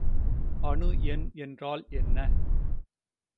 அணு எண் என்றால் என்ன?